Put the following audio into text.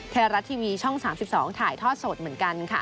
ไทยรัฐทีวีช่อง๓๒ถ่ายทอดสดเหมือนกันค่ะ